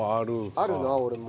あるな俺も。